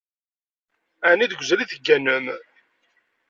Ɛni deg uzal i tegganem?